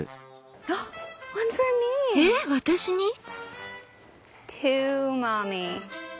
えっ私に？